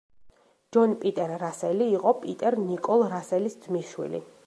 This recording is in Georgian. ჯონ პიტერ რასელი იყო პიტერ ნიკოლ რასელის ძმისშვილი.